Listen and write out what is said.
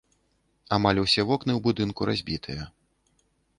Амаль усе вокны ў будынку разбітыя.